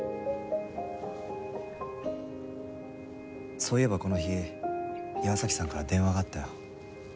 そういえばこの日岩崎さんから電話があったよ。